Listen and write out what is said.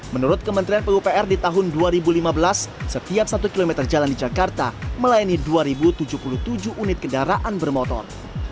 menurut kementerian pupr di tahun dua ribu lima belas setiap satu km jalan di jakarta melayani dua tujuh puluh tujuh unit kendaraan bermotor